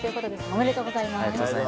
ありがとうございます。